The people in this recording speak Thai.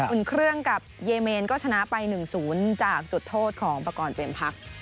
อุ่นเครื่องกับเยเมนก็ชนะไป๑๐จากจุดโทษของประกอบเตรียมพัก